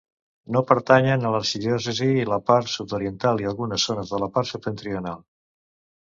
No pertanyen a l'arxidiòcesi la part sud-oriental i algunes zones de la part septentrional.